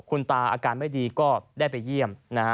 คุณตาอาการไม่ดีก็ได้ไปเยี่ยมนะฮะ